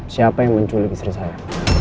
siapa yang menculik istri saya